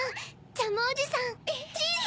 ジャムおじさんチーズ！